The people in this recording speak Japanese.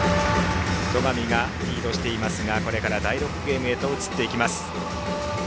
戸上がリードしていますがこれから第６ゲームへと移っていきます。